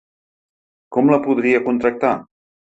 Com la podria contractar?